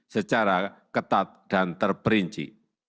secara ketat dan terperinci